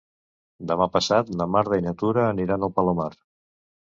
Demà passat na Marta i na Tura aniran al Palomar.